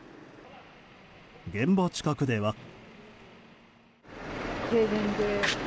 現場近くでは。